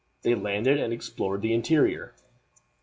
They landed and explored the interior.